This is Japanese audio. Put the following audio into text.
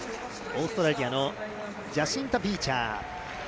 オーストラリアのジャシンタ・ビーチャー。